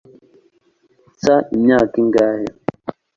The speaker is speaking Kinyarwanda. nsa imyaka ingahe